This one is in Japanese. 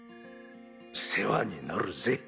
世話になるぜ。